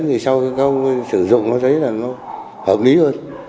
thì sau cái câu sử dụng nó thấy là nó hợp lý hơn